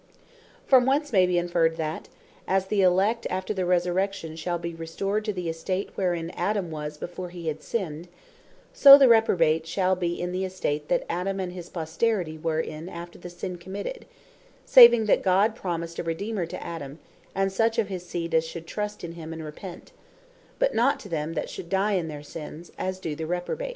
From whence may be inferred, that as the Elect after the Resurrection shall be restored to the estate, wherein Adam was before he had sinned; so the Reprobate shall be in the estate, that Adam, and his posterity were in after the sin committed; saving that God promised a Redeemer to Adam, and such of his seed as should trust in him, and repent; but not to them that should die in their sins, as do the Reprobate.